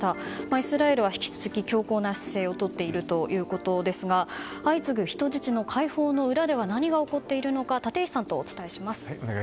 イスラエルは引き続き強硬姿勢をとっているということですが相次ぐ人質の解放の裏では何が起こっているのか立石さんとお伝えします。